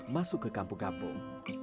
masuk ke kampung kampung